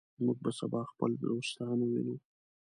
موږ به سبا خپل دوستان ووینو.